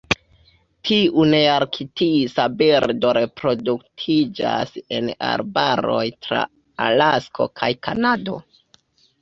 Tiu nearktisa birdo reproduktiĝas en arbaroj tra Alasko kaj Kanado.